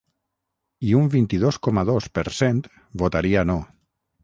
I un vint-i-dos coma dos per cent votaria no.